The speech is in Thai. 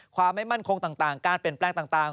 ความไม่มั่นคงต่างการเปลี่ยนแปลงต่าง